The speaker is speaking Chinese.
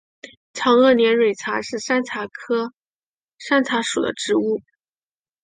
长萼连蕊茶是山茶科山茶属的植物。